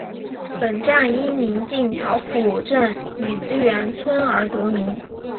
本站因临近桃浦镇李子园村而得名。